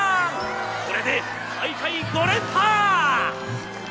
これで大会５連覇！